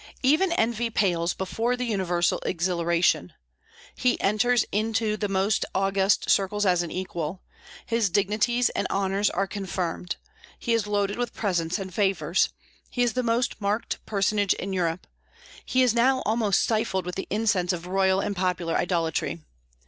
Even envy pales before the universal exhilaration. He enters into the most august circles as an equal; his dignities and honors are confirmed; he is loaded with presents and favors; he is the most marked personage in Europe; he is almost stifled with the incense of royal and popular idolatry.